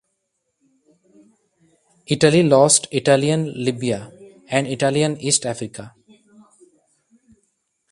Italy lost Italian Libya and Italian East Africa.